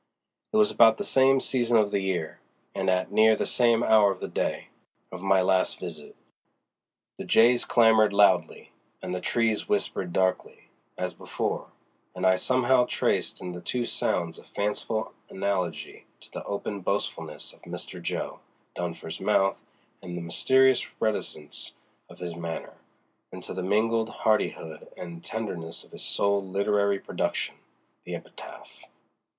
It was about the same season of the year, and at near the same hour of the day, of my last visit. The jays clamored loudly, and the trees whispered darkly, as before; and I somehow traced in the two sounds a fanciful analogy to the open boastfulness of Mr. Jo. Dunfer's mouth and the mysterious reticence of his manner, and to the mingled hardihood and tenderness of his sole literary production—the epitaph.